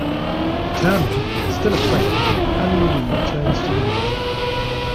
Determined, but still afraid, Anne Marie returns to the water.